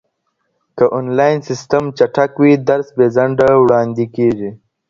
که انلاين سيستم چټک وي درس بې ځنډه وړاندې کيږي.